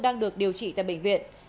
đang được điều trị tại bệnh viện